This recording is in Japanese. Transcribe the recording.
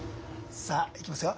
さあいきますよ。